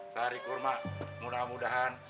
sari kurma mudah mudahan